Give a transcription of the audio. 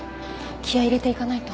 気合入れていかないと。